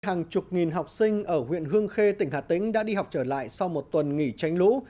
hàng chục nghìn học sinh ở huyện hương khê tỉnh hà tĩnh đã đi học trở lại sau một tuần nghỉ tránh lũ